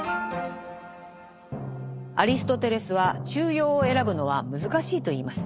アリストテレスは中庸を選ぶのは難しいと言います。